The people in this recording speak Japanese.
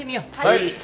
はい！